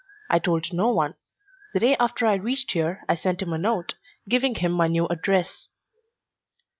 I told no one. The day after I reached here I sent him a note, giving him my new address.